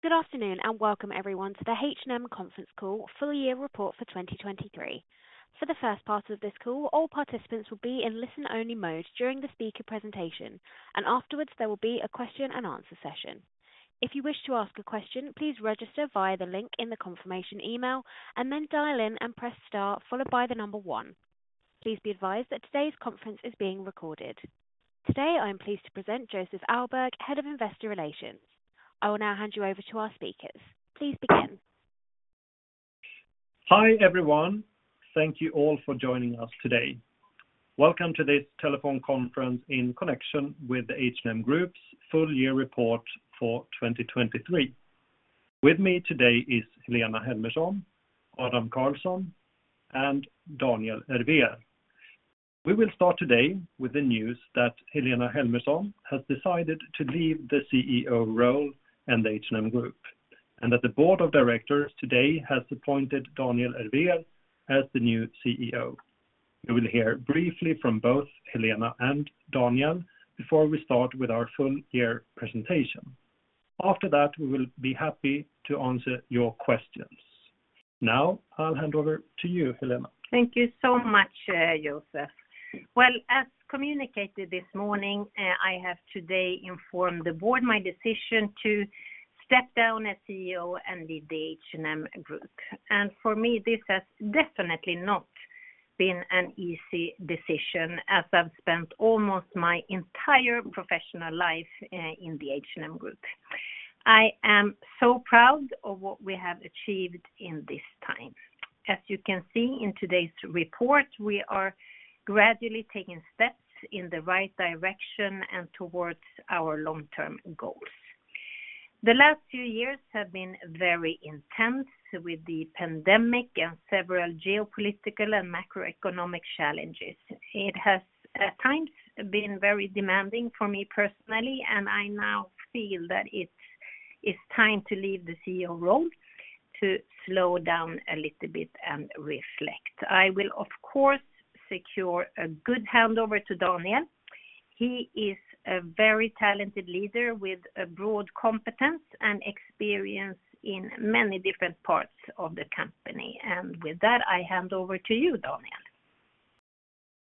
Good afternoon, and welcome everyone to the H&M conference call, full year report for 2023. For the first part of this call, all participants will be in listen-only mode during the speaker presentation, and afterwards, there will be a question and answer session. If you wish to ask a question, please register via the link in the confirmation email and then dial in and press star followed by the number one. Please be advised that today's conference is being recorded. Today, I am pleased to present Joseph Ahlberg, Head of Investor Relations. I will now hand you over to our speakers. Please begin. Hi, everyone. Thank you all for joining us today. Welcome to this telephone conference in connection with the H&M Group's full year report for 2023. With me today is Helena Helmersson, Adam Karlsson, and Daniel Ervér. We will start today with the news that Helena Helmersson has decided to leave the CEO role and the H&M Group, and that the board of directors today has appointed Daniel Ervér as the new CEO. You will hear briefly from both Helena and Daniel before we start with our full year presentation. After that, we will be happy to answer your questions. Now, I'll hand over to you, Helena. Thank you so much, Joseph. Well, as communicated this morning, I have today informed the board my decision to step down as CEO and leave the H&M Group. For me, this has definitely not been an easy decision as I've spent almost my entire professional life in the H&M Group. I am so proud of what we have achieved in this time. As you can see in today's report, we are gradually taking steps in the right direction and towards our long-term goals. The last few years have been very intense with the pandemic and several geopolitical and macroeconomic challenges. It has at times been very demanding for me personally, and I now feel that it's time to leave the CEO role to slow down a little bit and reflect. I will, of course, secure a good handover to Daniel. He is a very talented leader with a broad competence and experience in many different parts of the company. With that, I hand over to you, Daniel.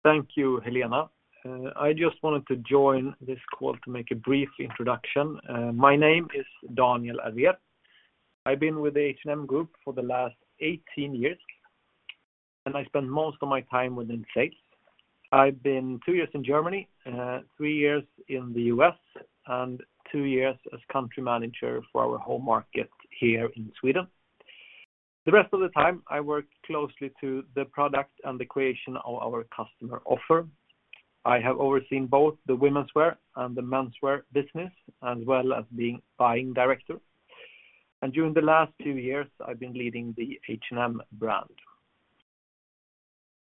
Thank you, Helena. I just wanted to join this call to make a brief introduction. My name is Daniel Ervér. I've been with the H&M Group for the last 18 years, and I spend most of my time within sales. I've been 2 years in Germany, 3 years in the U.S., and 2 years as country manager for our home market here in Sweden. The rest of the time, I work closely to the product and the creation of our customer offer. I have overseen both the womenswear and the menswear business, as well as being buying director. During the last few years, I've been leading the H&M brand.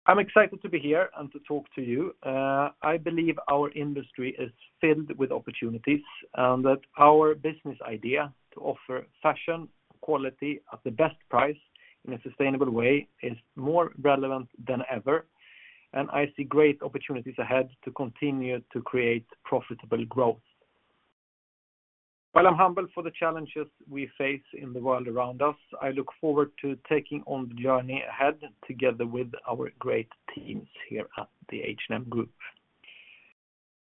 I'm excited to be here and to talk to you. I believe our industry is filled with opportunities and that our business idea to offer fashion, quality at the best price in a sustainable way is more relevant than ever, and I see great opportunities ahead to continue to create profitable growth. While I'm humbled for the challenges we face in the world around us, I look forward to taking on the journey ahead together with our great teams here at the H&M Group.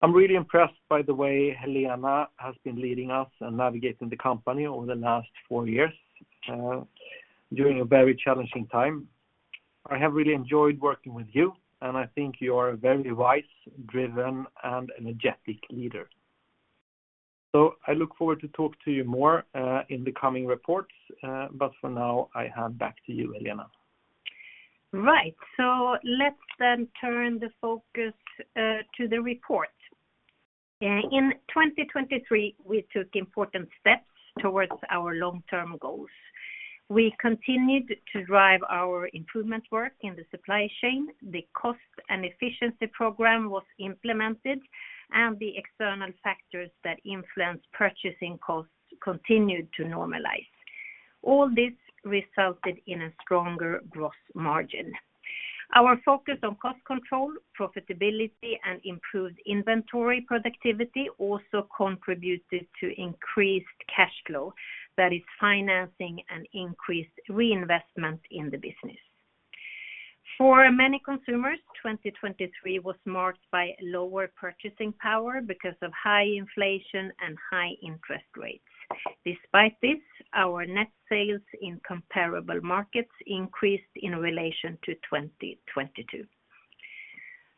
I'm really impressed by the way Helena has been leading us and navigating the company over the last four years, during a very challenging time. I have really enjoyed working with you, and I think you are a very wise, driven, and energetic leader. So I look forward to talk to you more, in the coming reports, but for now, I hand back to you, Helena. Right. So let's then turn the focus to the report. In 2023, we took important steps towards our long-term goals. We continued to drive our improvement work in the supply chain, the cost and efficiency program was implemented, and the external factors that influenced purchasing costs continued to normalize. All this resulted in a stronger gross margin. Our focus on cost control, profitability, and improved inventory productivity also contributed to increased cash flow that is financing an increased reinvestment in the business. For many consumers, 2023 was marked by lower purchasing power because of high inflation and high interest rates. Despite this, our net sales in comparable markets increased in relation to 2022.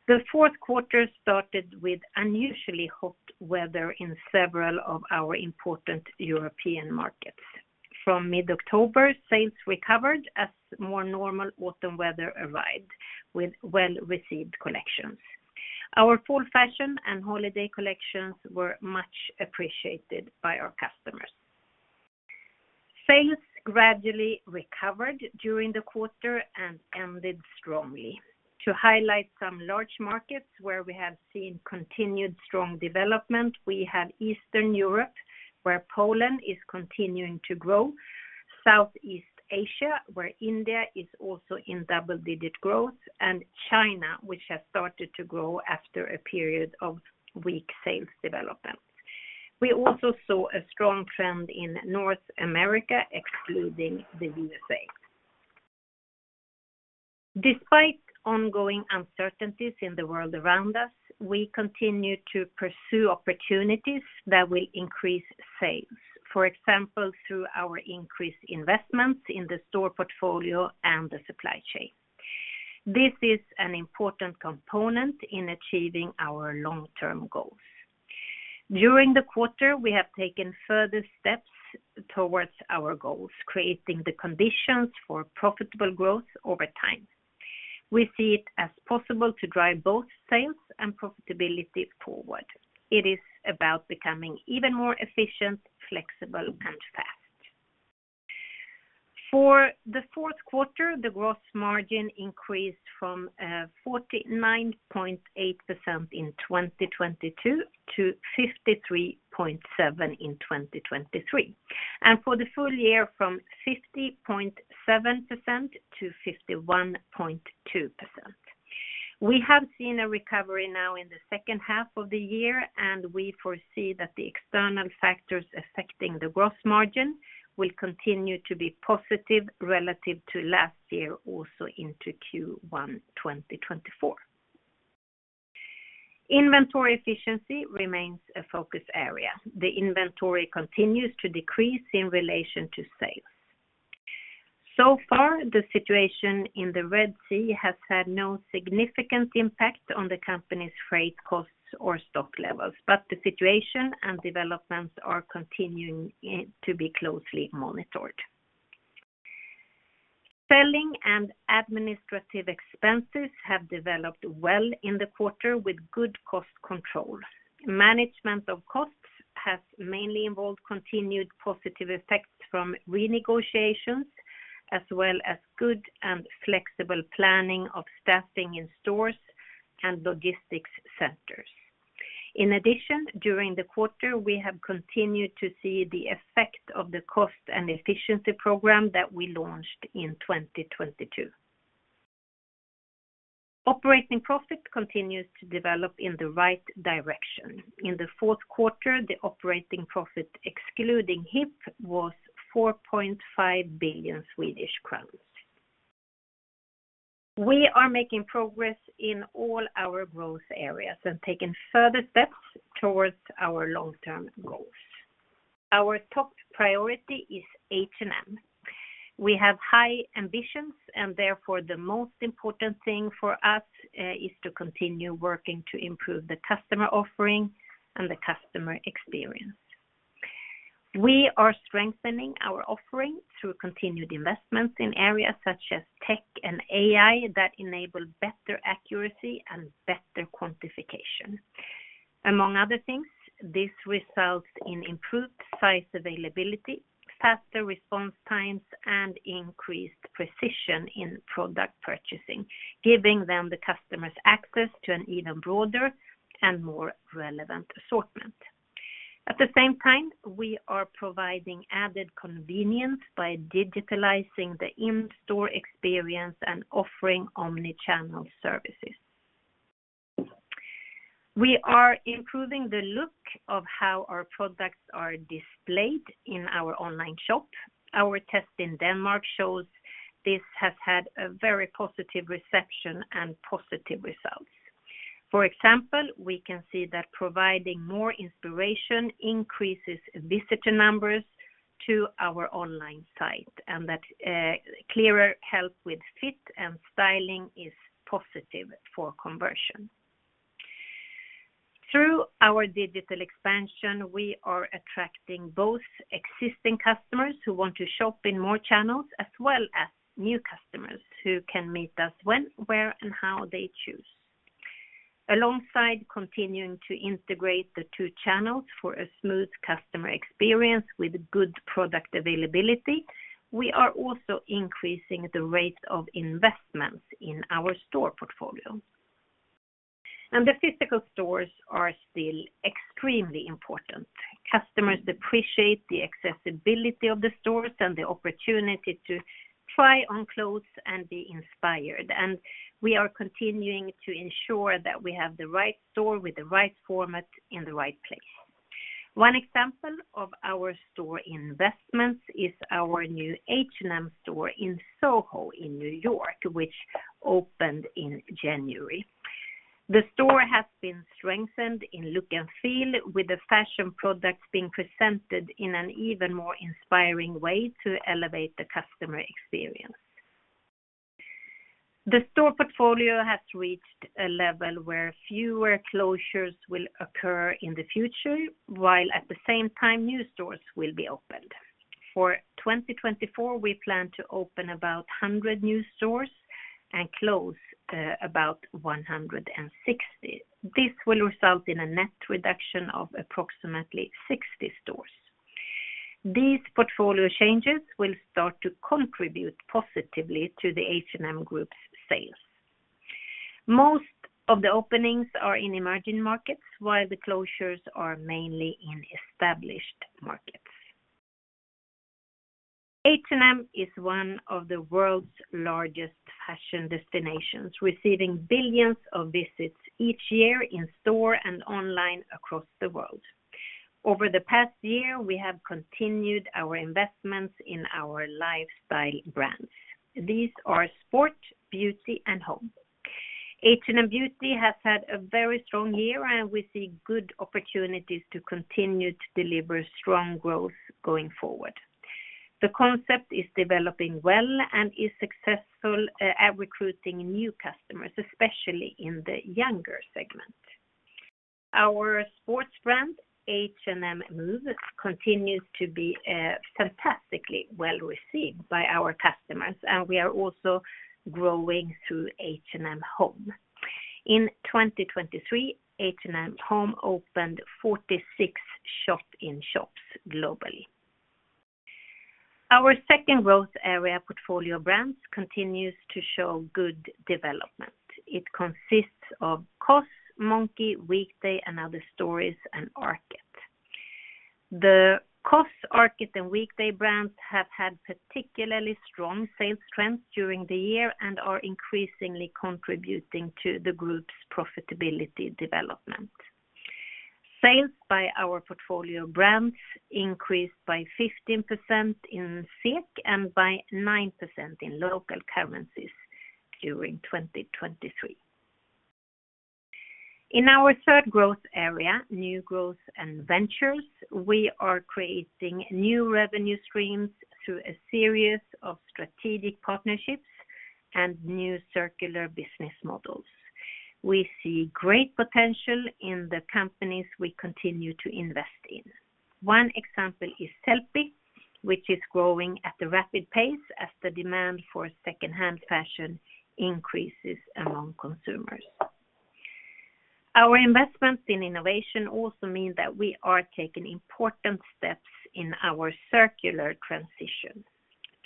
The fourth quarter started with unusually hot weather in several of our important European markets. From mid-October, sales recovered as more normal autumn weather arrived with well-received collections. Our fall fashion and holiday collections were much appreciated by our customers. Sales gradually recovered during the quarter and ended strongly. To highlight some large markets where we have seen continued strong development, we have Eastern Europe, where Poland is continuing to grow…. Southeast Asia, where India is also in double-digit growth, and China, which has started to grow after a period of weak sales development. We also saw a strong trend in North America, excluding the USA. Despite ongoing uncertainties in the world around us, we continue to pursue opportunities that will increase sales, for example, through our increased investments in the store portfolio and the supply chain. This is an important component in achieving our long-term goals. During the quarter, we have taken further steps towards our goals, creating the conditions for profitable growth over time. We see it as possible to drive both sales and profitability forward. It is about becoming even more efficient, flexible, and fast. For the fourth quarter, the gross margin increased from 49.8% in 2022 to 53.7% in 2023, and for the full year, from 50.7% to 51.2%. We have seen a recovery now in the second half of the year, and we foresee that the external factors affecting the gross margin will continue to be positive relative to last year, also into Q1 2024. Inventory efficiency remains a focus area. The inventory continues to decrease in relation to sales. So far, the situation in the Red Sea has had no significant impact on the company's freight costs or stock levels, but the situation and developments are continuing to be closely monitored. Selling and administrative expenses have developed well in the quarter with good cost control. Management of costs has mainly involved continued positive effects from renegotiations, as well as good and flexible planning of staffing in stores and logistics centers. In addition, during the quarter, we have continued to see the effect of the cost and efficiency program that we launched in 2022. Operating profit continues to develop in the right direction. In the fourth quarter, the operating profit, excluding HIP, was 4.5 billion Swedish crowns. We are making progress in all our growth areas and taking further steps towards our long-term goals. Our top priority is H&M. We have high ambitions, and therefore, the most important thing for us is to continue working to improve the customer offering and the customer experience. We are strengthening our offering through continued investments in areas such as tech and AI that enable better accuracy and better quantification. Among other things, this results in improved size availability, faster response times, and increased precision in product purchasing, giving them, the customers, access to an even broader and more relevant assortment. At the same time, we are providing added convenience by digitalizing the in-store experience and offering omni-channel services. We are improving the look of how our products are displayed in our online shop. Our test in Denmark shows this has had a very positive reception and positive results. For example, we can see that providing more inspiration increases visitor numbers to our online site, and that, clearer help with fit and styling is positive for conversion. Through our digital expansion, we are attracting both existing customers who want to shop in more channels, as well as new customers who can meet us when, where, and how they choose. Alongside continuing to integrate the two channels for a smooth customer experience with good product availability, we are also increasing the rate of investments in our store portfolio. The physical stores are still extremely important. Customers appreciate the accessibility of the stores and the opportunity to try on clothes and be inspired, and we are continuing to ensure that we have the right store with the right format in the right place. One example of our store investments is our new H&M store in Soho, in New York, which opened in January. The store has been strengthened in look and feel, with the fashion products being presented in an even more inspiring way to elevate the customer experience. The store portfolio has reached a level where fewer closures will occur in the future, while at the same time, new stores will be opened. For 2024, we plan to open about 100 new stores and close about 160. This will result in a net reduction of approximately 60 stores. These portfolio changes will start to contribute positively to the H&M Group sales. Most of the openings are in emerging markets, while the closures are mainly in established markets. H&M is one of the world's largest fashion destinations, receiving billions of visits each year in store and online across the world. Over the past year, we have continued our investments in our lifestyle brands. These are sport, beauty, and home. H&M Beauty has had a very strong year, and we see good opportunities to continue to deliver strong growth going forward. The concept is developing well and is successful at recruiting new customers, especially in the younger segment. Our sports brand, H&M Move, continues to be fantastically well-received by our customers, and we are also growing through H&M Home. In 2023, H&M Home opened 46 shop-in-shops globally. Our second growth area, Portfolio Brands, continues to show good development. It consists of COS, Monki, Weekday, & Other Stories, and Arket. The COS, Arket and Weekday brands have had particularly strong sales trends during the year and are increasingly contributing to the group's profitability development. Sales by our Portfolio Brands increased by 15% in SEK and by 9% in local currencies during 2023. In our third growth area, New Growth and Ventures, we are creating new revenue streams through a series of strategic partnerships and new circular business models. We see great potential in the companies we continue to invest in. One example is Sellpy, which is growing at a rapid pace as the demand for secondhand fashion increases among consumers. Our investments in innovation also mean that we are taking important steps in our circular transition.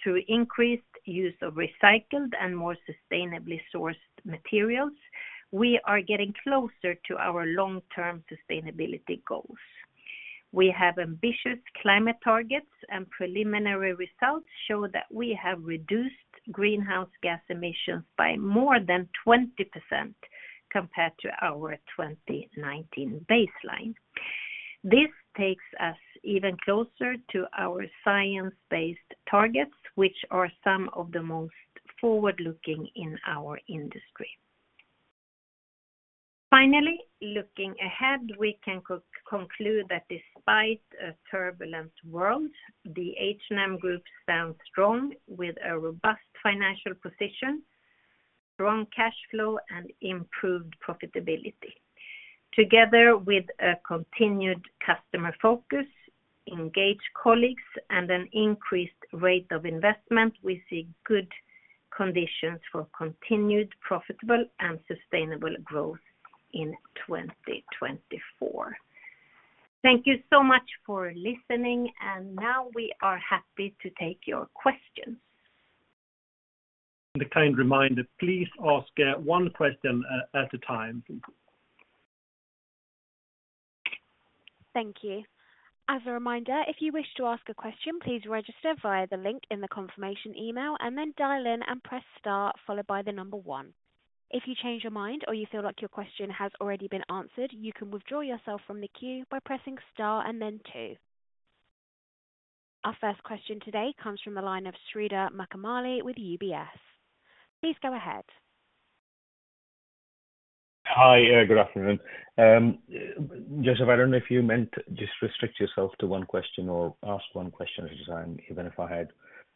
Through increased use of recycled and more sustainably sourced materials, we are getting closer to our long-term sustainability goals. We have ambitious climate targets, and preliminary results show that we have reduced greenhouse gas emissions by more than 20% compared to our 2019 baseline. This takes us even closer to our science-based targets, which are some of the most forward-looking in our industry. Finally, looking ahead, we can conclude that despite a turbulent world, the H&M Group stands strong with a robust financial position, strong cash flow, and improved profitability. Together with a continued customer focus, engaged colleagues, and an increased rate of investment, we see good conditions for continued profitable and sustainable growth in 2024. Thank you so much for listening, and now we are happy to take your questions. A kind reminder, please ask one question at a time. Thank you. As a reminder, if you wish to ask a question, please register via the link in the confirmation email and then dial in and press star followed by the number one. If you change your mind or you feel like your question has already been answered, you can withdraw yourself from the queue by pressing star and then two. Our first question today comes from the line of Sreedhar Mahamkali with UBS. Please go ahead. Hi, good afternoon. Joseph, I don't know if you meant just restrict yourself to one question or ask one question, even if I had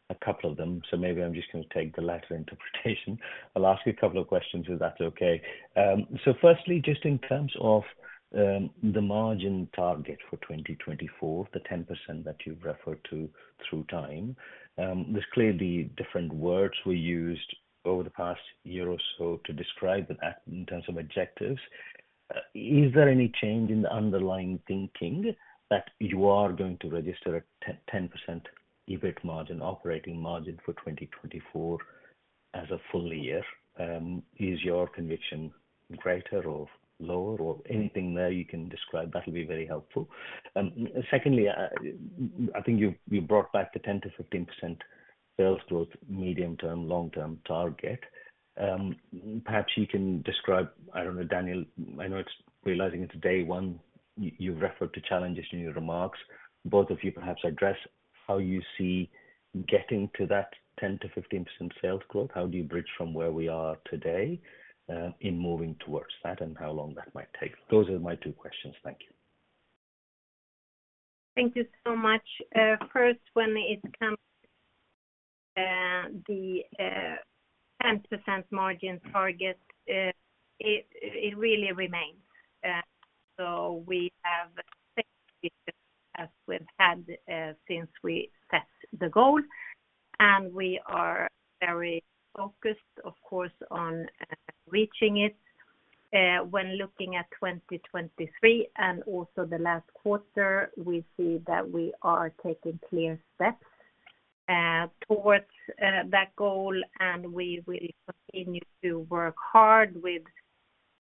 a couple of them, so maybe I'm just going to take the latter interpretation. I'll ask you a couple of questions, if that's okay. So firstly, just in terms of the margin target for 2024, the 10% that you've referred to through time, there's clearly different words were used over the past year or so to describe that in terms of objectives. Is there any change in the underlying thinking that you are going to register a 10% EBIT margin, operating margin for 2024 as a full year? Is your conviction greater or lower or anything there you can describe, that'll be very helpful. Secondly, I think you've, you brought back the 10%-15% sales growth, medium-term, long-term target. Perhaps you can describe, I don't know, Daniel, I know it's realizing it's day one, you, you've referred to challenges in your remarks. Both of you perhaps address how you see getting to that 10%-15% sales growth. How do you bridge from where we are today, in moving towards that and how long that might take? Those are my two questions. Thank you. Thank you so much. First, when it comes, the 10% margin target, it really remains. So we have, as we've had, since we set the goal, and we are very focused, of course, on reaching it. When looking at 2023 and also the last quarter, we see that we are taking clear steps towards that goal, and we will continue to work hard with,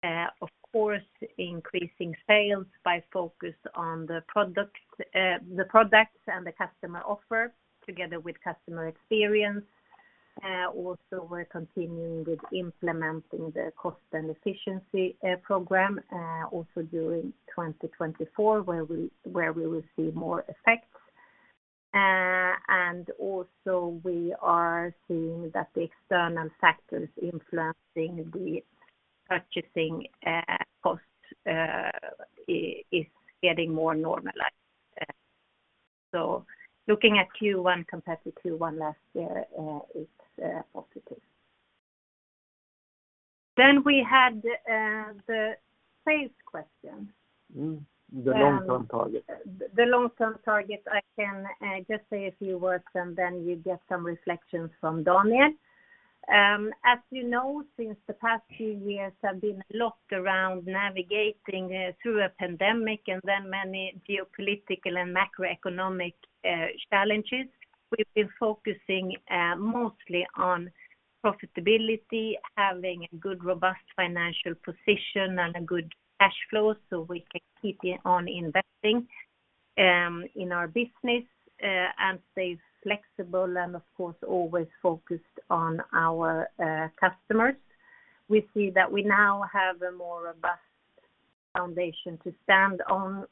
of course, increasing sales by focus on the product, the products and the customer offer, together with customer experience. Also we're continuing with implementing the cost and efficiency program also during 2024, where we will see more effects. And also we are seeing that the external factors influencing the purchasing cost is getting more normalized. So looking at Q1 compared to Q1 last year, it's positive. Then we had the sales question. Mm-hmm, the long-term target. The long-term target, I can just say a few words and then you get some reflections from Daniel. As you know, since the past few years have been a lot around navigating through a pandemic and then many geopolitical and macroeconomic challenges, we've been focusing mostly on profitability, having a good, robust financial position and a good cash flow so we can keep on investing in our business and stay flexible, and of course, always focused on our customers. We see that we now have a more robust foundation to stand on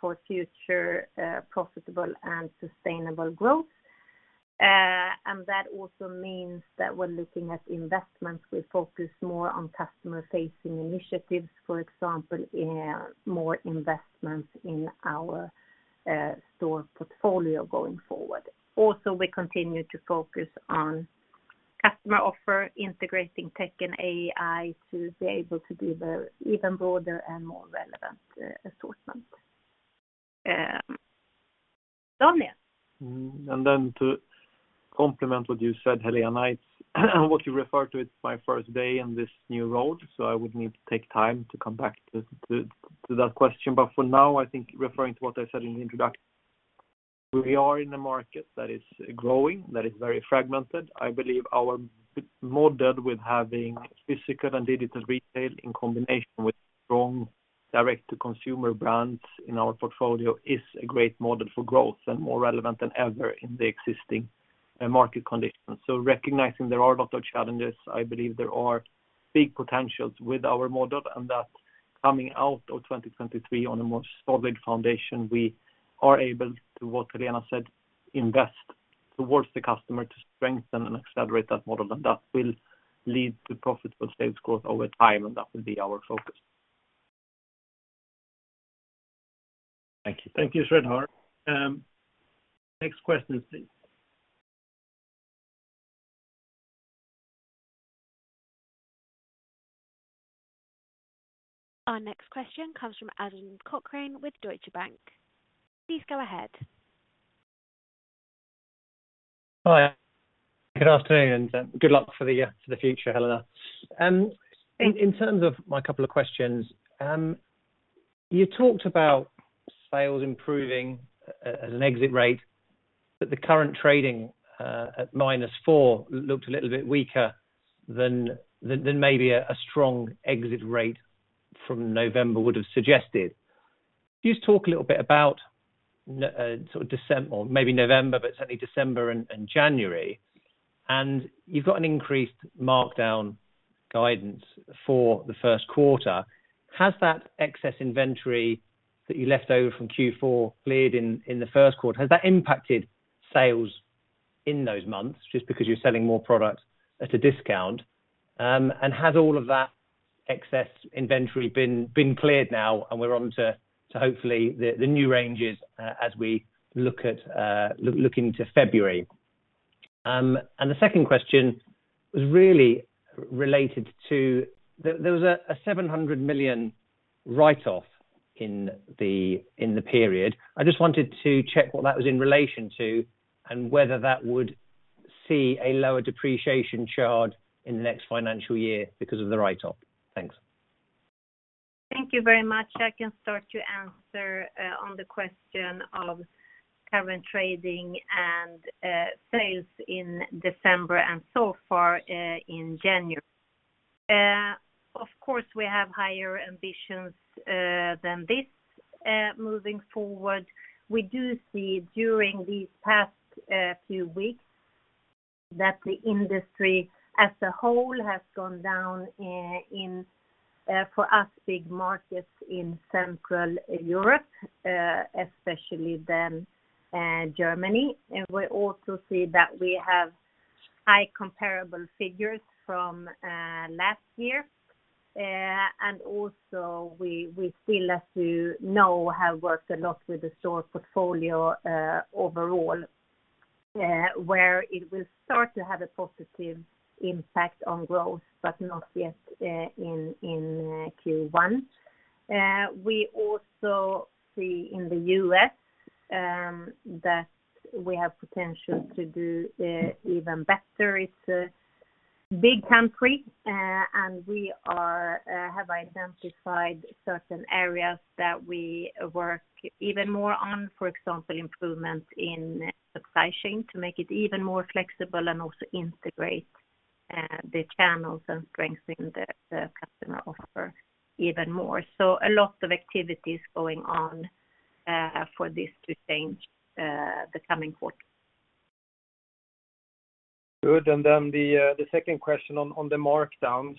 for future profitable and sustainable growth. And that also means that we're looking at investments. We focus more on customer-facing initiatives, for example, more investments in our store portfolio going forward. Also, we continue to focus on customer offer, integrating tech and AI to be able to give an even broader and more relevant assortment. Daniel? And then to complement what you said, Helena, what you refer to it, my first day in this new role, so I would need to take time to come back to that question. But for now, I think referring to what I said in the introduction, we are in a market that is growing, that is very fragmented. I believe our model with having physical and digital retail in combination with strong direct-to-consumer brands in our portfolio is a great model for growth and more relevant than ever in the existing market conditions. Recognizing there are a lot of challenges, I believe there are big potentials with our model, and that coming out of 2023 on a more solid foundation, we are able to, what Helena said, invest towards the customer to strengthen and accelerate that model, and that will lead to profitable sales growth over time, and that will be our focus. Thank you. Thank you, Sreedhar. Next question, please. Our next question comes from Adam Cochrane with Deutsche Bank. Please go ahead. Hi, good afternoon, and good luck for the future, Helena. In terms of my couple of questions, you talked about sales improving as an exit rate, but the current trading at -4 looked a little bit weaker than maybe a strong exit rate from November would have suggested. Can you just talk a little bit about sort of December or maybe November, but certainly December and January? You've got an increased markdown guidance for the first quarter. Has that excess inventory that you left over from Q4 cleared in the first quarter? Has that impacted sales in those months, just because you're selling more products at a discount? Has all of that excess inventory been cleared now, and we're on to hopefully the new ranges as we look at looking to February? The second question was really related to. There was a 700 million write-off in the period. I just wanted to check what that was in relation to, and whether that would see a lower depreciation charge in the next financial year because of the write-off. Thanks. Thank you very much. I can start to answer on the question of current trading and sales in December and so far in January. Of course, we have higher ambitions than this moving forward. We do see during these past few weeks, that the industry as a whole has gone down in for us, big markets in Central Europe, especially then Germany. And we also see that we have high comparable figures from last year. And also we still, as you know, have worked a lot with the store portfolio overall, where it will start to have a positive impact on growth, but not yet in Q1. We also see in the U.S. that we have potential to do even better it... Big country, and we are have identified certain areas that we work even more on, for example, improvement in supply chain, to make it even more flexible and also integrate the channels and strengthen the, the customer offer even more. So a lot of activities going on for this to change the coming quarter. Good. And then the second question on the markdowns,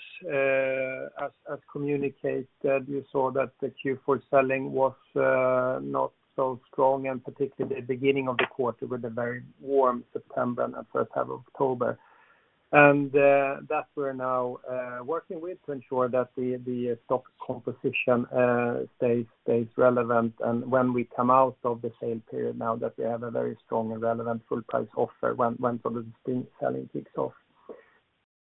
as communicated, you saw that the Q4 selling was not so strong, and particularly the beginning of the quarter, with a very warm September and the first half of October. That we're now working with to ensure that the stock composition stays relevant, and when we come out of the same period, now that we have a very strong and relevant full price offer, when product selling kicks off.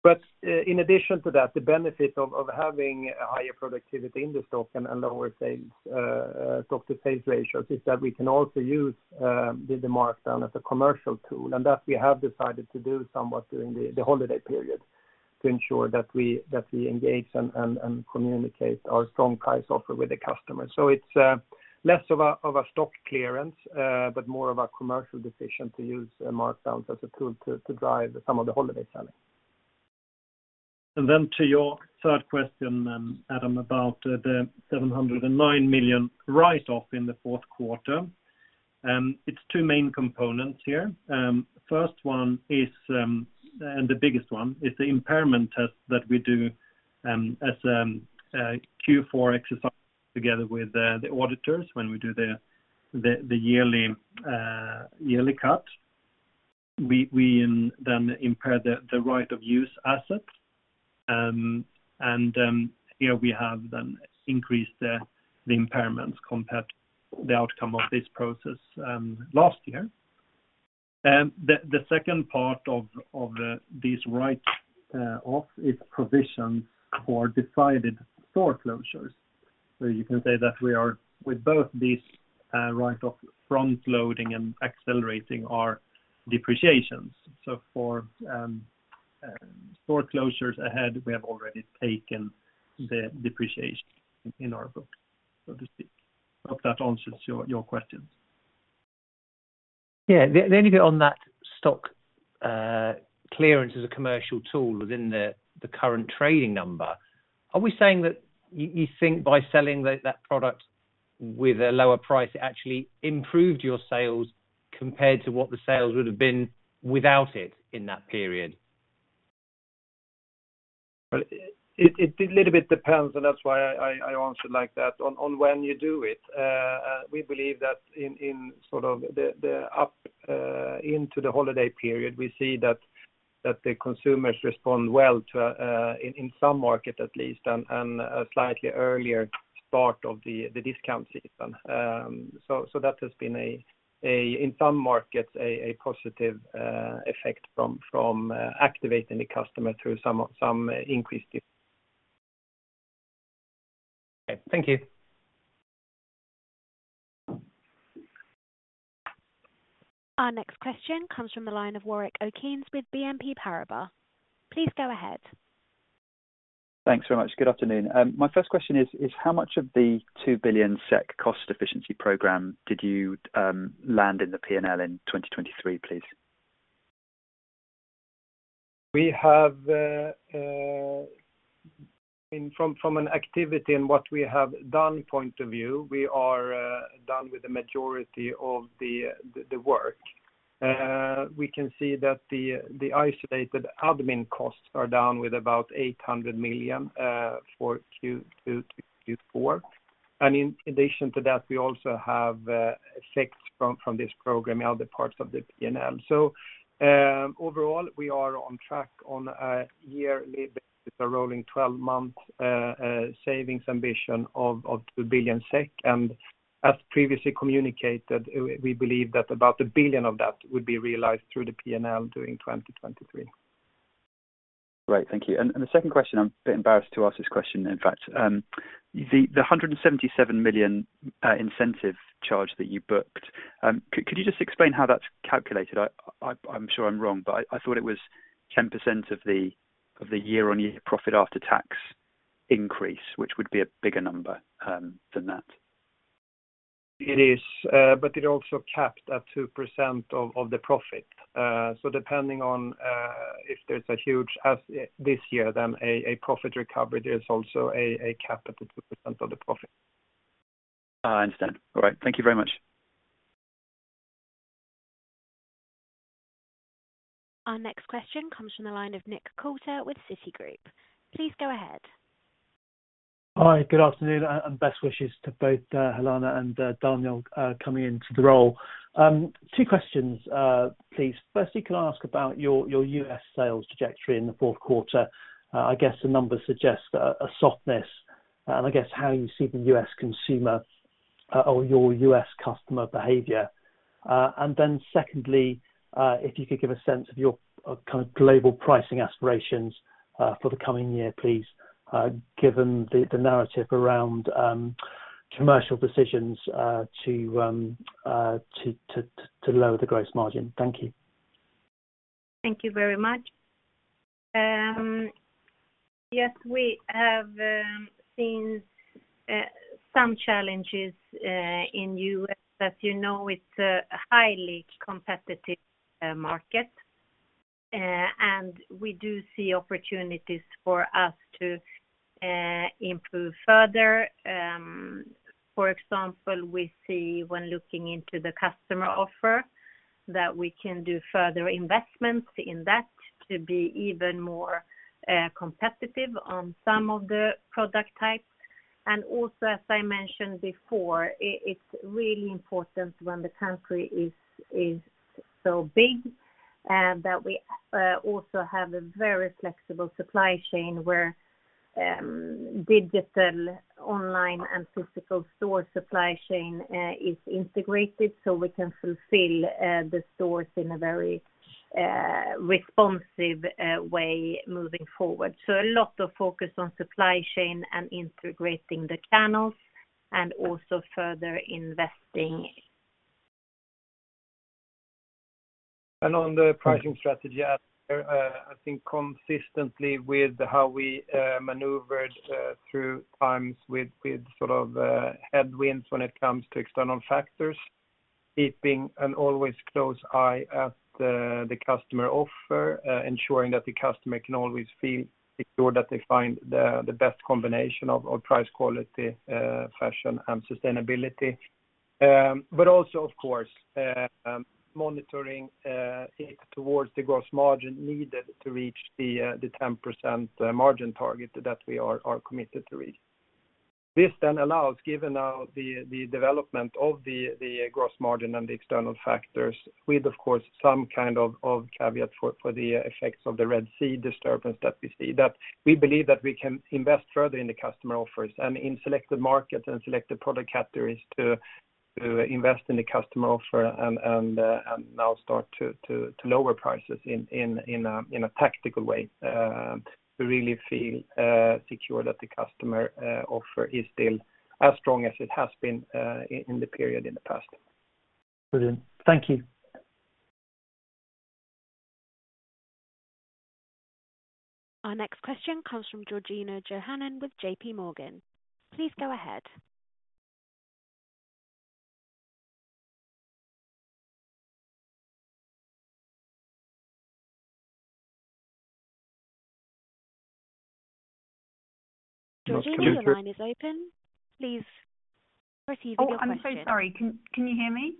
But, in addition to that, the benefit of having a higher productivity in the stock and a lower sales, stock-to-sales ratio is that we can also use the markdown as a commercial tool, and that we have decided to do somewhat during the holiday period, to ensure that we engage and communicate our strong price offer with the customer. So it's less of a stock clearance but more of a commercial decision to use markdowns as a tool to drive some of the holiday selling. And then to your third question, Adam, about the 709 million write-off in the fourth quarter. It's two main components here. First one is, and the biggest one, is the impairment test that we do, as Q4 exercise together with the auditors when we do the yearly cut. We then impair the right-of-use asset, and here we have then increased the impairments compared the outcome of this process last year. The second part of this write-off is provision for decided store closures. So you can say that we are with both these write-off front-loading and accelerating our depreciations. So for foreclosures ahead, we have already taken the depreciation in our book, so to speak. Hope that answers your questions. Yeah. A little bit on that stock clearance as a commercial tool within the current trading number. Are we saying that you think by selling that product with a lower price, it actually improved your sales compared to what the sales would have been without it in that period? Well, it a little bit depends, and that's why I answered like that, on when you do it. We believe that in sort of the up into the holiday period, we see that the consumers respond well to in some market at least, and a slightly earlier start of the discount season. So that has been a in some markets, a positive effect from activating the customer through some increased-... Okay. Thank you. Our next question comes from the line of Warwick Okines, with BNP Paribas. Please go ahead. Thanks very much. Good afternoon. My first question is how much of the 2 billion SEK cost efficiency program did you land in the P&L in 2023, please? We have in from an activity and what we have done point of view, we are done with the majority of the work. We can see that the isolated admin costs are down with about 800 million for Q2 to Q4. And in addition to that, we also have effects from this program in other parts of the PNL. So, overall, we are on track on a yearly basis, a rolling twelve-month savings ambition of 2 billion SEK. And as previously communicated, we believe that about 1 billion of that would be realized through the PNL during 2023. Great, thank you. And the second question, I'm a bit embarrassed to ask this question, in fact. The 177 million SEK incentive charge that you booked, could you just explain how that's calculated? I'm sure I'm wrong, but I thought it was 10% of the year-on-year profit after tax increase, which would be a bigger number than that. It is, but it also capped at 2% of the profit. So depending on if there's a huge as this year, then a profit recovery, there's also a cap at 2% of the profit. I understand. All right. Thank you very much. Our next question comes from the line of Nick Coulter with Citigroup. Please go ahead. Hi, good afternoon, and best wishes to both Helena and Daniel coming into the role. Two questions, please. Firstly, can I ask about your your U.S. sales trajectory in the fourth quarter? I guess the numbers suggest a softness, and I guess how you see the U.S. consumer or your U.S. customer behavior. And then secondly, if you could give a sense of your kind of global pricing aspirations for the coming year, please, given the narrative around commercial decisions to lower the gross margin. Thank you. Thank you very much. Yes, we have seen some challenges in U.S. As you know, it's a highly competitive market. And we do see opportunities for us to improve further. For example, we see when looking into the customer offer, that we can do further investments in that to be even more competitive on some of the product types. And also, as I mentioned before, it's really important when the country is so big that we also have a very flexible supply chain where digital, online and physical store supply chain is integrated, so we can fulfill the stores in a very responsive way moving forward. So a lot of focus on supply chain and integrating the channels, and also further investing. On the pricing strategy, I think consistently with how we maneuvered through times with sort of headwinds when it comes to external factors, keeping an always close eye at the customer offer, ensuring that the customer can always feel secure, that they find the best combination of price, quality, fashion, and sustainability. But also, of course, monitoring it towards the gross margin needed to reach the 10% margin target that we are committed to reach. This then allows, given the development of the gross margin and the external factors, with, of course, some kind of caveat for the effects of the Red Sea disturbance that we see. That we believe that we can invest further in the customer offers and in selected markets and selected product categories to invest in the customer offer and now start to lower prices in a tactical way. To really feel secure that the customer offer is still as strong as it has been in the period in the past. Brilliant. Thank you. Our next question comes from Georgina Johanan with JPMorgan. Please go ahead. Georgina, your line is open. Please proceed with your question. Oh, I'm so sorry. Can you hear me?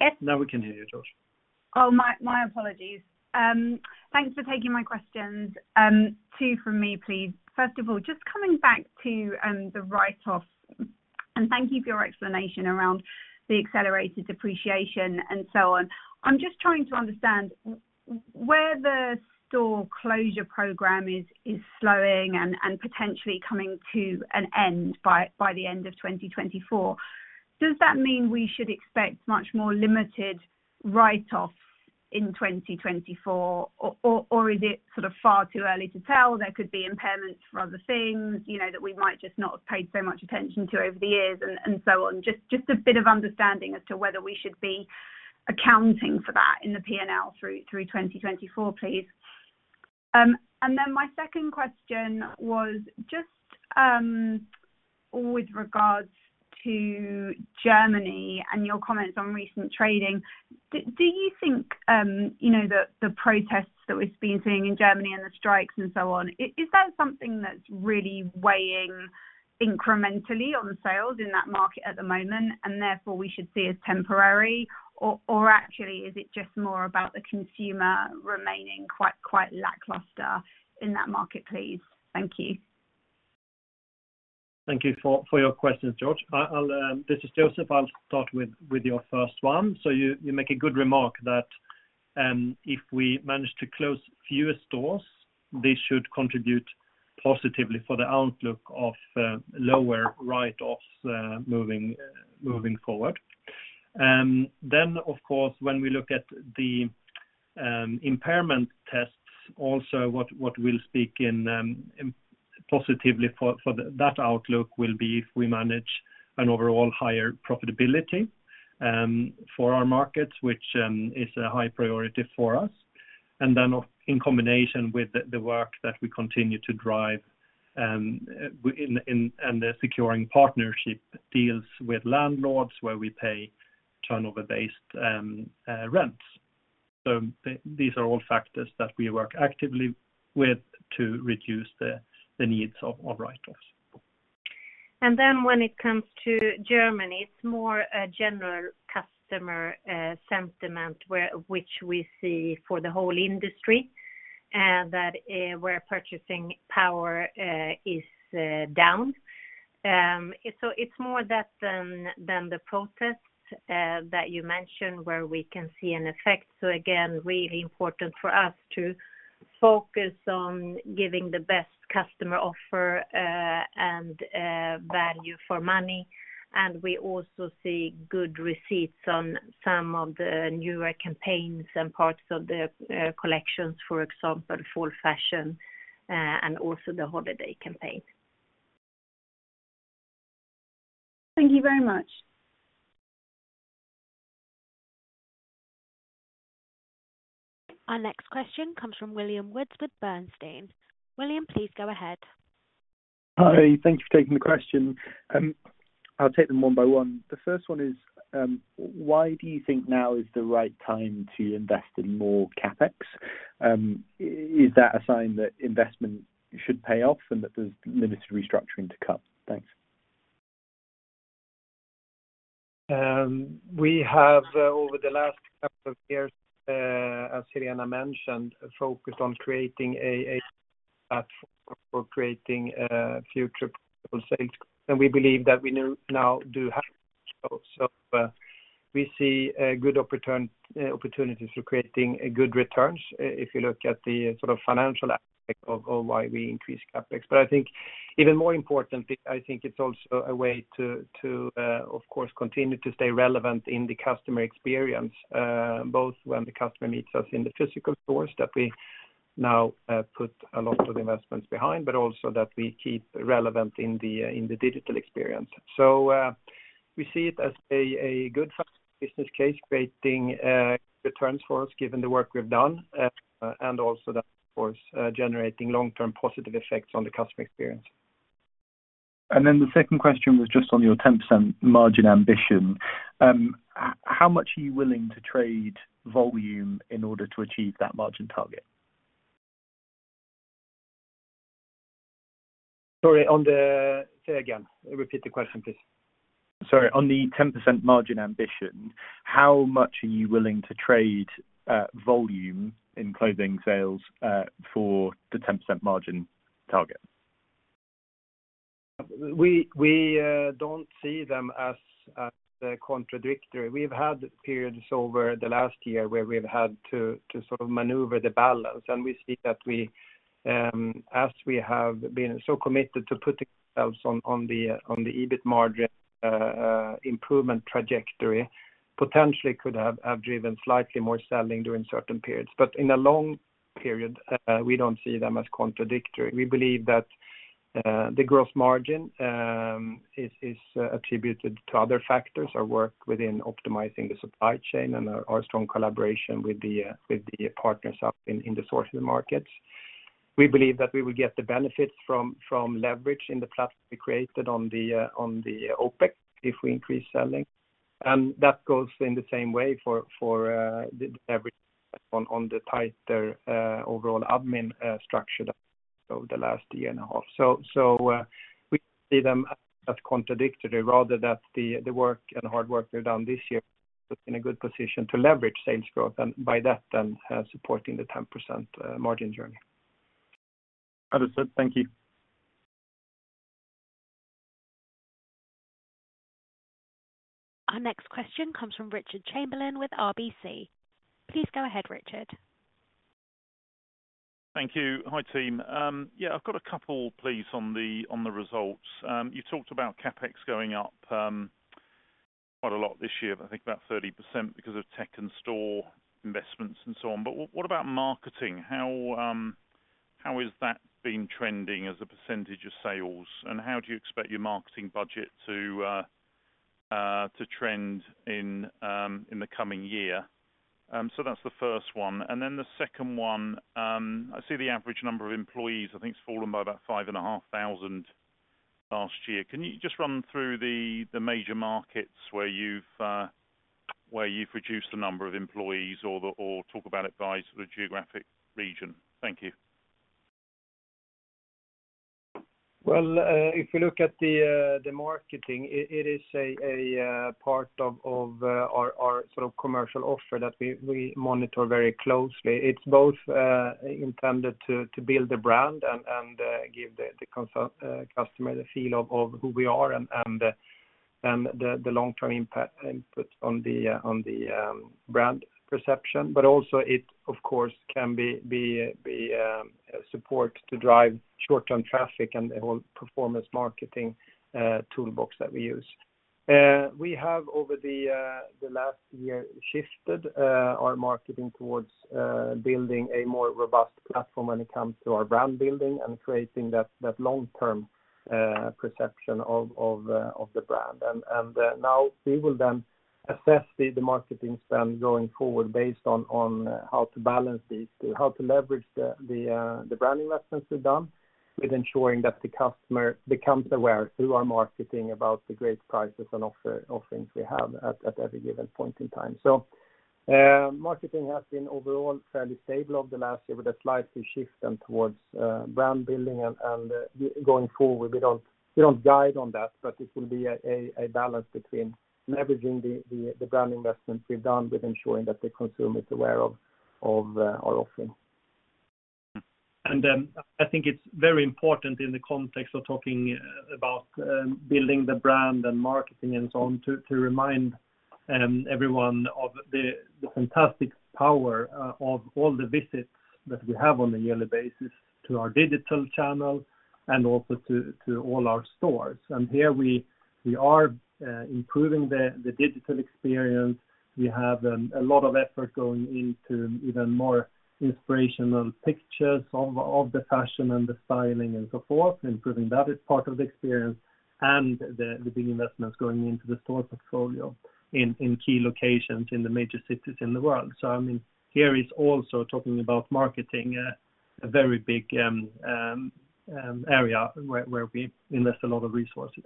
Yes. Now we can hear you, George. Oh, my, my apologies. Thanks for taking my questions. Two from me, please. First of all, just coming back to the write-off, and thank you for your explanation around the accelerated depreciation and so on. I'm just trying to understand where the store closure program is slowing and potentially coming to an end by the end of 2024. Does that mean we should expect much more limited write-offs in 2024? Or is it sort of far too early to tell? There could be impairments for other things, you know, that we might just not have paid so much attention to over the years and so on. Just a bit of understanding as to whether we should be accounting for that in the P&L through 2024, please. And then my second question was just, with regards to Germany and your comments on recent trading. Do you think, you know, the protests that we've been seeing in Germany and the strikes and so on, is that something that's really weighing incrementally on sales in that market at the moment, and therefore, we should see as temporary? Or actually, is it just more about the consumer remaining quite, quite lackluster in that market, please? Thank you. Thank you for your questions, George. I'll, this is Joseph. I'll start with your first one. So you make a good remark that if we manage to close fewer stores, this should contribute positively for the outlook of lower write-offs moving forward. Then, of course, when we look at the impairment tests, also what we'll speak in positively for that outlook will be if we manage an overall higher profitability for our markets, which is a high priority for us. And then in combination with the work that we continue to drive in and the securing partnership deals with landlords where we pay turnover-based rents. So these are all factors that we work actively with to reduce the needs of write-offs. And then when it comes to Germany, it's more a general customer sentiment, where—which we see for the whole industry, that where purchasing power is down. So it's more that than the protests that you mentioned, where we can see an effect. So again, really important for us to focus on giving the best customer offer, and value for money. And we also see good receipts on some of the newer campaigns and parts of the collections, for example, fall fashion, and also the holiday campaign. Thank you very much. Our next question comes from William Woods with Bernstein. William, please go ahead. Hi, thank you for taking the question. I'll take them one by one. The first one is, why do you think now is the right time to invest in more CapEx? Is that a sign that investment should pay off and that there's limited restructuring to come? Thanks. We have, over the last couple of years, as Helena mentioned, focused on creating a platform for creating future sales, and we believe that we now do have. So, we see good opportunities for creating good returns. If you look at the sort of financial aspect of why we increase CapEx. But I think even more importantly, I think it's also a way to, of course, continue to stay relevant in the customer experience, both when the customer meets us in the physical stores, that we now put a lot of investments behind, but also that we keep relevant in the digital experience. So, we see it as a good business case creating returns for us, given the work we've done, and also that, of course, generating long-term positive effects on the customer experience. Then the second question was just on your 10% margin ambition. How much are you willing to trade volume in order to achieve that margin target? Sorry, say again. Repeat the question, please. Sorry, on the 10% margin ambition, how much are you willing to trade volume in clothing sales for the 10% margin target? We don't see them as contradictory. We've had periods over the last year where we've had to sort of maneuver the balance, and we see that as we have been so committed to putting ourselves on the EBIT margin improvement trajectory, potentially could have driven slightly more selling during certain periods. But in the long period, we don't see them as contradictory. We believe that the gross margin is attributed to other factors or work within optimizing the supply chain and our strong collaboration with the partners up in the sourcing markets. We believe that we will get the benefits from leverage in the platform we created on the OPEX, if we increase selling. That goes in the same way for the leverage on the tighter overall admin structure over the last year and a half. We see them as contradictory, rather than that the work and hard work we've done this year put in a good position to leverage sales growth, and by that then supporting the 10% margin journey. Understood. Thank you. Our next question comes from Richard Chamberlain with RBC. Please go ahead, Richard. Thank you. Hi, team. Yeah, I've got a couple, please, on the results. You talked about CapEx going up quite a lot this year, but I think about 30% because of tech and store investments and so on. But what about marketing? How has that been trending as a percentage of sales, and how do you expect your marketing budget to trend in the coming year? So that's the first one. And then the second one, I see the average number of employees, I think it's fallen by about 5,500 last year. Can you just run through the major markets where you've reduced the number of employees or talk about it by the geographic region? Thank you. Well, if you look at the marketing, it is a part of our sort of commercial offer that we monitor very closely. It's both intended to build the brand and give the customer the feel of who we are and the long-term impact, input on the brand perception. But also it of course can be support to drive short-term traffic and the whole performance marketing toolbox that we use. We have over the last year shifted our marketing towards building a more robust platform when it comes to our brand building and creating that long-term perception of the brand. Now we will then assess the marketing spend going forward based on how to balance these, how to leverage the branding investments we've done, with ensuring that the customer becomes aware through our marketing about the great prices and offerings we have at every given point in time. So, marketing has been overall fairly stable over the last year, with a slightly shift then towards brand building and going forward, we don't guide on that, but it will be a balance between leveraging the brand investments we've done with ensuring that the consumer is aware of our offering. I think it's very important in the context of talking about building the brand and marketing and so on, to remind everyone of the fantastic power of all the visits that we have on a yearly basis to our digital channel and also to all our stores. Here we are improving the digital experience. We have a lot of effort going into even more inspirational pictures of the fashion and the styling and so forth, improving that as part of the experience and the big investments going into the store portfolio in key locations in the major cities in the world. I mean, here is also talking about marketing, a very big area where we invest a lot of resources.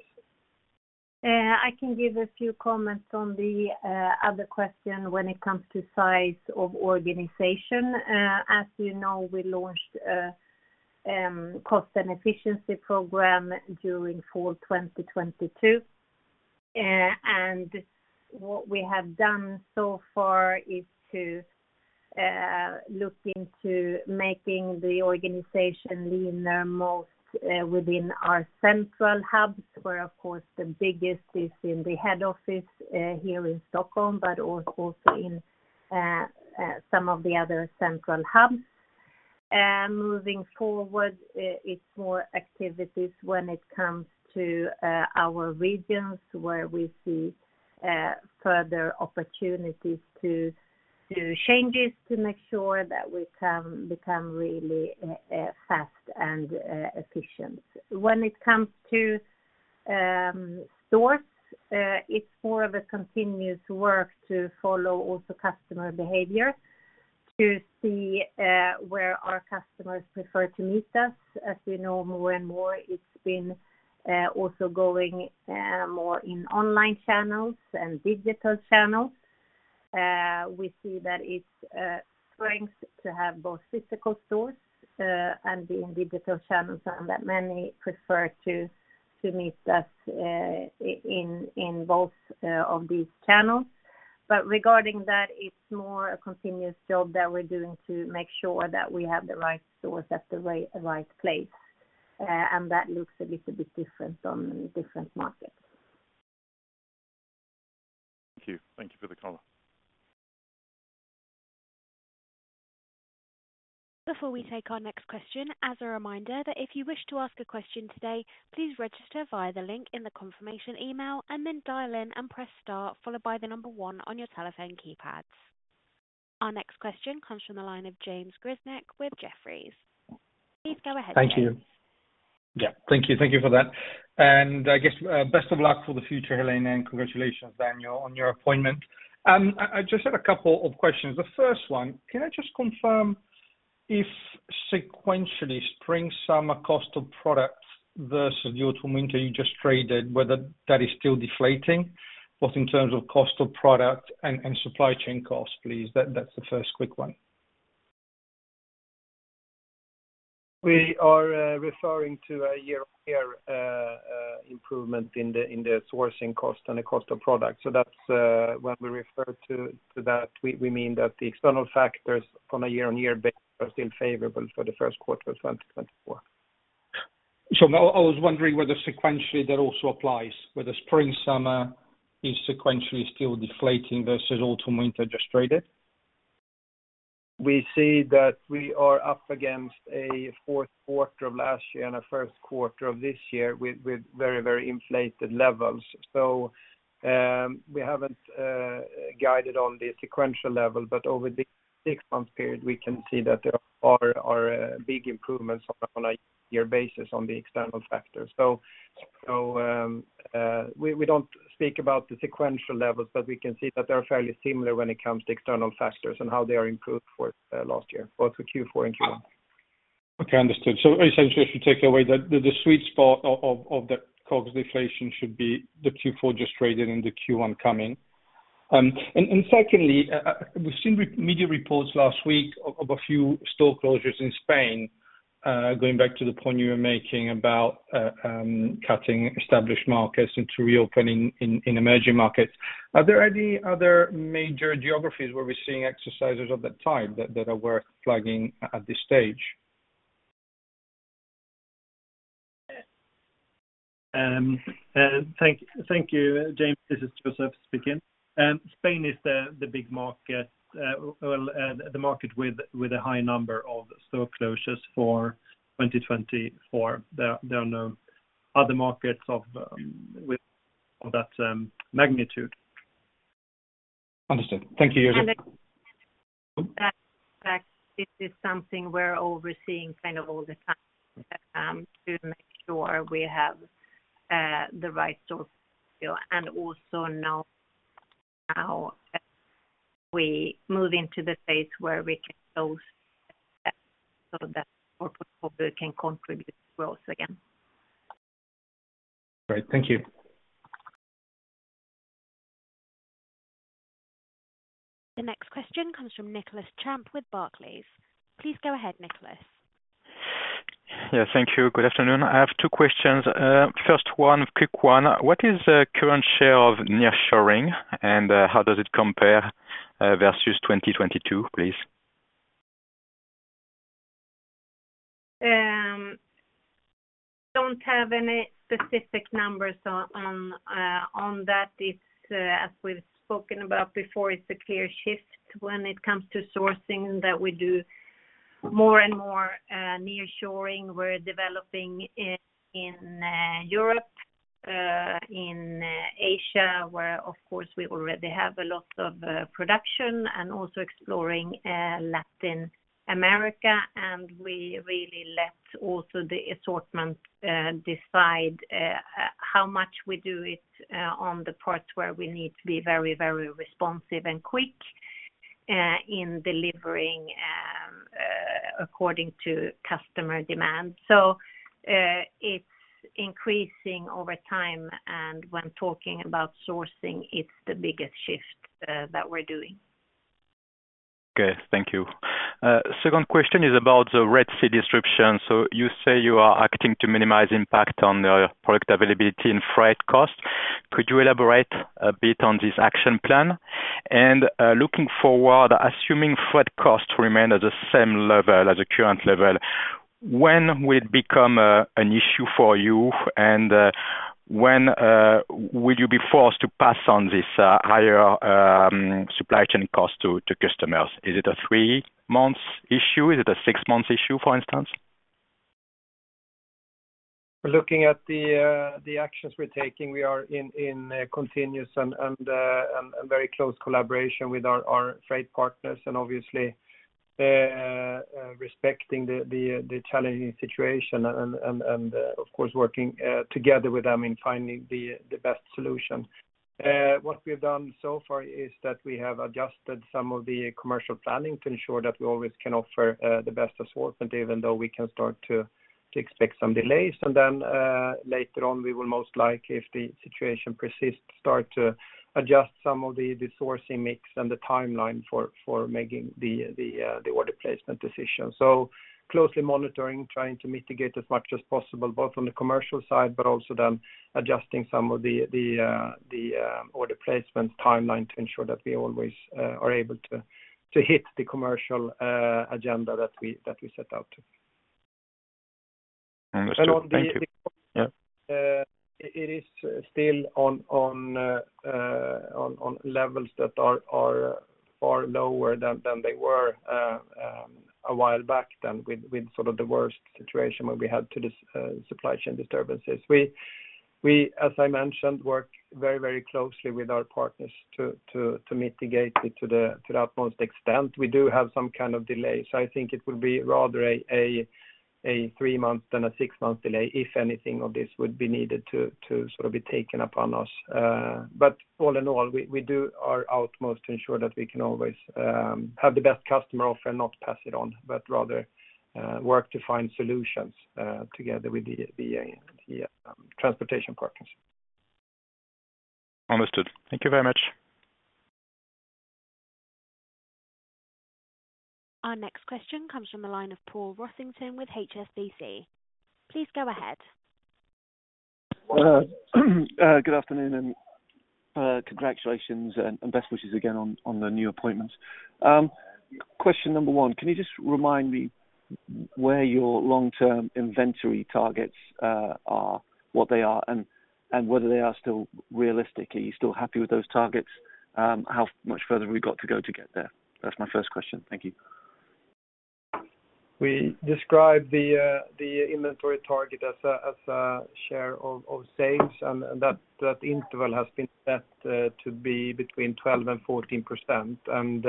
I can give a few comments on the other question when it comes to size of organization. As you know, we launched a cost and efficiency program during fall 2022. And what we have done so far is to look into making the organization leaner, most within our central hubs, where, of course, the biggest is in the head office here in Stockholm, but also in some of the other central hubs. And moving forward, it's more activities when it comes to our regions, where we see further opportunities to changes to make sure that we come become really fast and efficient. When it comes to stores, it's more of a continuous work to follow also customer behavior, to see where our customers prefer to meet us. As you know, more and more, it's been also going more in online channels and digital channels. We see that it's a strength to have both physical stores and the digital channels, and that many prefer to meet us in both of these channels. But regarding that, it's more a continuous job that we're doing to make sure that we have the right stores at the right place, and that looks a little bit different on different markets. Thank you. Thank you for the call. Before we take our next question, as a reminder that if you wish to ask a question today, please register via the link in the confirmation email and then dial in and press star, followed by the number one on your telephone keypads. Our next question comes from the line of James Grzinic with Jefferies. Please go ahead, James. Thank you. Yeah, thank you. Thank you for that. I guess, best of luck for the future, Helena, and congratulations, Daniel, on your appointment. I just had a couple of questions. The first one, can I just confirm if sequentially, Spring/Summer cost of products versus the Autumn/Winter you just traded, whether that is still deflating, both in terms of cost of product and supply chain costs, please? That's the first quick one. We are referring to a year-on-year improvement in the sourcing cost and the cost of products. So that's when we refer to that, we mean that the external factors on a year-on-year basis are still favorable for the first quarter of 2024. So I was wondering whether sequentially that also applies, whether Spring/Summer is sequentially still deflating versus Autumn/Winter just traded? We see that we are up against a fourth quarter of last year and a first quarter of this year with very, very inflated levels. So, we haven't guided on the sequential level, but over the six-month period, we can see that there are big improvements on a year basis on the external factors. So, we don't speak about the sequential levels, but we can see that they are fairly similar when it comes to external factors and how they are improved for last year, both for Q4 and Q1. Okay, understood. So essentially, if you take away the sweet spot of the COGS deflation should be the Q4 just traded and the Q1 coming. And secondly, we've seen recent media reports last week of a few store closures in Spain, going back to the point you were making about cutting established markets into reopening in emerging markets. Are there any other major geographies where we're seeing exercises of that type that are worth flagging at this stage? Thank you, James. This is Joseph speaking. Spain is the big market, the market with a high number of store closures for 2024. There are no other markets of that magnitude. Understood. Thank you, Joseph. That this is something we're overseeing kind of all the time, to make sure we have the right store, and also know how we move into the phase where we can close, so that we can contribute for us again. Great. Thank you. The next question comes from Nicolas Champ with Barclays. Please go ahead, Nicholas. Yeah, thank you. Good afternoon. I have two questions. First one, quick one: What is the current share of nearshoring, and how does it compare versus 2022, please? Don't have any specific numbers on that. It's, as we've spoken about before, it's a clear shift when it comes to sourcing that we do more and more nearshoring. We're developing it in Europe, in Asia, where of course, we already have a lot of production and also exploring Latin America. And we really let also the assortment decide how much we do it on the parts where we need to be very, very responsive and quick in delivering according to customer demand. So, it's increasing over time, and when talking about sourcing, it's the biggest shift that we're doing. Okay, thank you. Second question is about the Red Sea disruption. So you say you are acting to minimize impact on the product availability and freight costs. Could you elaborate a bit on this action plan? And, looking forward, assuming freight costs remain at the same level as the current level, when will it become an issue for you, and when will you be forced to pass on this higher supply chain cost to customers? Is it a three months issue? Is it a six month issue, for instance? Looking at the actions we're taking, we are in continuous and very close collaboration with our freight partners, and obviously respecting the challenging situation and, of course, working together with them in finding the best solution. What we've done so far is that we have adjusted some of the commercial planning to ensure that we always can offer the best assortment, even though we can start to expect some delays. And then later on, we will most likely, if the situation persists, start to adjust some of the sourcing mix and the timeline for making the order placement decision. So closely monitoring, trying to mitigate as much as possible, both on the commercial side, but also then adjusting some of the order placement timeline to ensure that we always are able to hit the commercial agenda that we set out to. Understood. Thank you. Yeah. It is still on levels that are lower than they were a while back than with sort of the worst situation where we had to this supply chain disturbances. We, as I mentioned, work very closely with our partners to mitigate it to the utmost extent. We do have some kind of delays, so I think it will be rather a 3-month than a 6-month delay, if anything of this would be needed to sort of be taken upon us. But all in all, we do our utmost to ensure that we can always have the best customer offer, not pass it on, but rather work to find solutions together with the transportation partners. Understood. Thank you very much. Our next question comes from the line of Paul Rossington with HSBC. Please go ahead. Good afternoon and congratulations and best wishes again on the new appointments. Question number one: can you just remind me where your long-term inventory targets are, what they are, and whether they are still realistic? Are you still happy with those targets? How much further have we got to go to get there? That's my first question. Thank you. We described the inventory target as a share of sales, and that interval has been set to be between 12% and 14%. And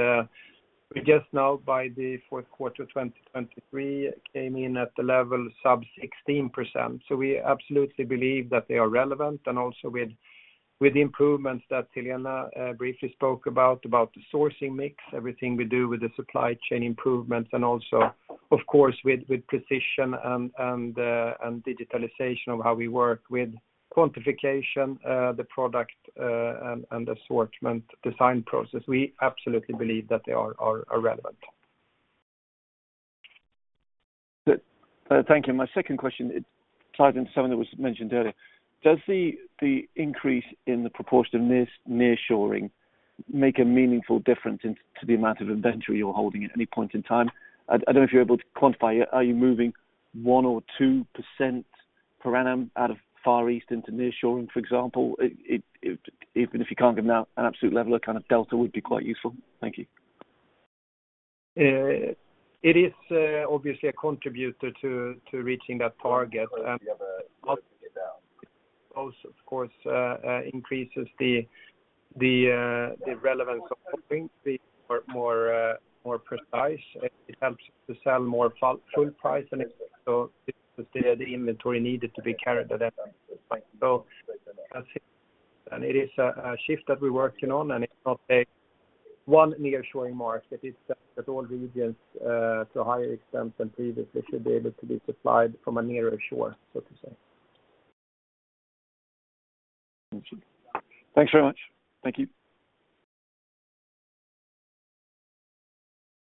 we just now, by the fourth quarter of 2023, came in at the level sub-16%. So we absolutely believe that they are relevant, and also with the improvements that Helena briefly spoke about, about the sourcing mix, everything we do with the supply chain improvements, and also, of course, with precision and digitalization of how we work with quantification, the product, and the assortment design process. We absolutely believe that they are relevant. Good. Thank you. My second question, it ties into something that was mentioned earlier. Does the increase in the proportion of nearshoring make a meaningful difference into the amount of inventory you're holding at any point in time? I don't know if you're able to quantify it. Are you moving 1% or 2% per annum out of Far East into nearshoring, for example? It even if you can't give an absolute level, a kind of delta would be quite useful. Thank you. It is obviously a contributor to reaching that target. Also, of course, increases the relevance of more precise. It helps to sell more full price, and so the inventory needed to be carried at that point. So that's it, and it is a shift that we're working on, and it's not a one nearshoring mark. It is that all regions, to a higher extent than previously, should be able to be supplied from a nearer shore, so to say. Thank you. Thanks very much. Thank you.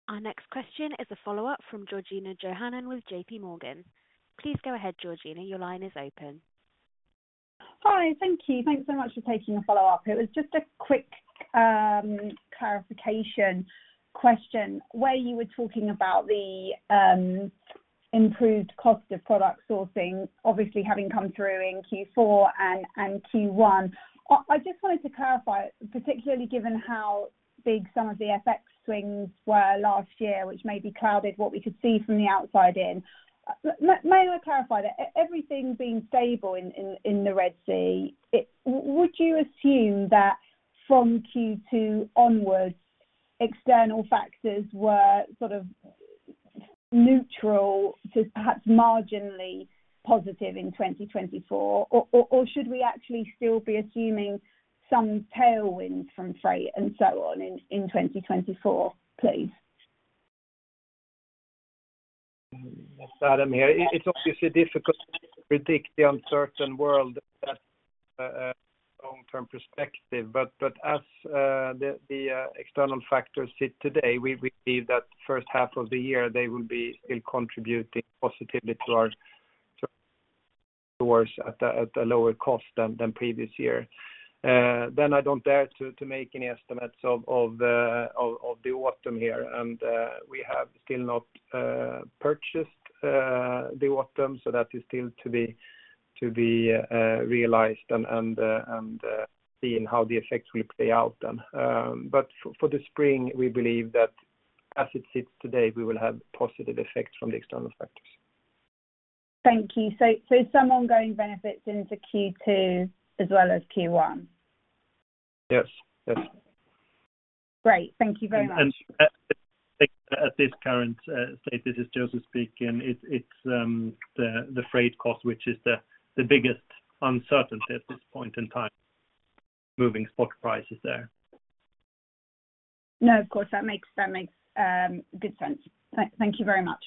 Our next question is a follow-up from Georgina Johanan with JPMorgan. Please go ahead, Georgina, your line is open. Hi, thank you. Thanks so much for taking the follow-up. It was just a quick clarification question, where you were talking about the improved cost of product sourcing, obviously having come through in Q4 and Q1. I just wanted to clarify, particularly given how big some of the FX swings were last year, which may be clouded what we could see from the outside in. May I clarify that everything being stable in the Red Sea, it would you assume that from Q2 onwards, external factors were sort of neutral to perhaps marginally positive in 2024, or should we actually still be assuming some tailwind from freight and so on in 2024, please? It's Adam here. It's obviously difficult to predict the uncertain world that long term perspective. But as the external factors sit today, we see that first half of the year, they will be still contributing positively to our stores at a lower cost than previous year. Then I don't dare to make any estimates of the autumn here. And we have still not purchased the autumn, so that is still to be realized and seeing how the effects will play out then. But for the spring, we believe that as it sits today, we will have positive effects from the external factors. Thank you. So, some ongoing benefits into Q2 as well as Q1? Yes. Yes. Great. Thank you very much. At this current state, this is Joseph speaking, it's the freight cost, which is the biggest uncertainty at this point in time, moving spot prices there. No, of course, that makes good sense. Thank you very much.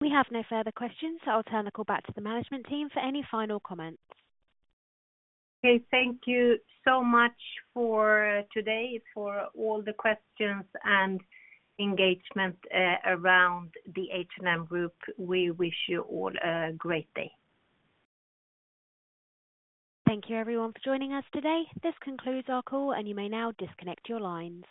We have no further questions, so I'll turn the call back to the management team for any final comments. Okay, thank you so much for today, for all the questions and engagement around the H&M Group. We wish you all a great day. Thank you, everyone, for joining us today. This concludes our call, and you may now disconnect your lines.